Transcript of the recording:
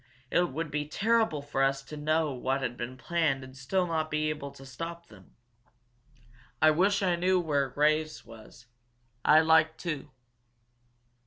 It would be terrible for us to know what had been planned and still not be able to stop them! I wish I knew were Graves was. I'd like to